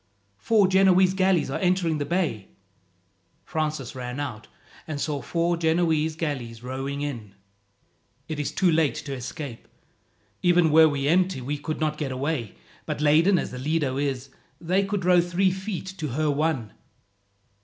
"Four Genoese galleys are entering the bay!" Francis ran out, and saw four Genoese galleys rowing in. "It is too late to escape. Even were we empty we could not get away; but laden as the Lido is, they could row three feet to her one."